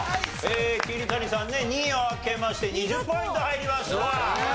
桐谷さんね２位を開けまして２０ポイント入りました。